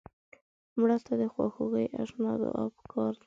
مړه ته د خواخوږۍ اشنا دعا پکار ده